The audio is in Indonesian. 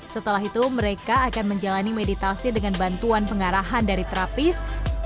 setelah itu mereka akan menjalani meditasi dengan bantuan pengarahan dari terapis